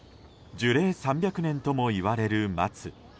樹齢３００年ともいわれる松。